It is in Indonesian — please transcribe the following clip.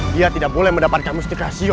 dia tidak boleh mendapatkan mustika xion